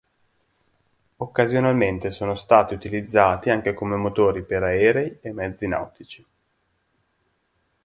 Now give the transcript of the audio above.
Occasionalmente sono stati utilizzati anche come motori per aerei e mezzi nautici.